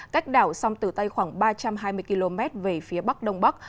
cách đảo song từ tây khoảng ba trăm hai mươi km về phía bắc đông bắc